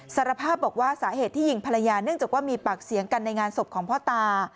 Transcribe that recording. สารภาพบอกว่าสาเหตุที่ยิงภรรยาเนื่องจากว่ามีปากเสียงกันในงานศพของพ่อตา